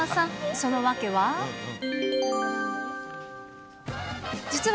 その訳は？